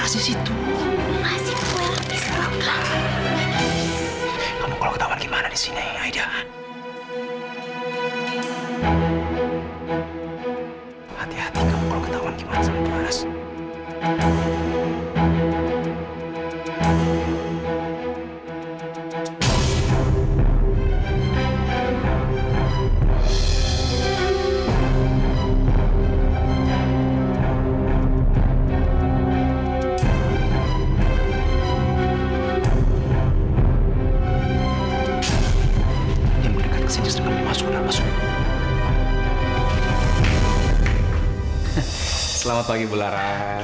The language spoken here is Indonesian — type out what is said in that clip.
selamat pagi pularas